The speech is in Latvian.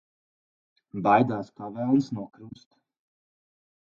Baidās kā velns no krusta.